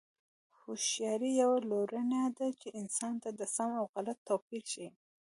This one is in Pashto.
هوښیاري یوه لورینه ده چې انسان ته د سم او غلط توپیر ښيي.